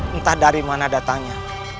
entah dari mana datangnya